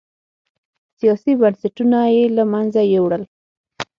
سیاسي بنسټونه یې له منځه یووړل.